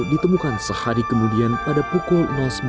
ditemukan sehari kemudian pada pukul sembilan lima puluh